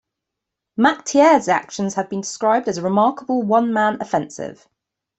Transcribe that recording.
Mactier's actions have been described as "a remarkable one-man offensive".